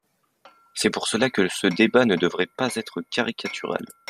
C’est pour cela que ce débat ne devrait pas être caricatural.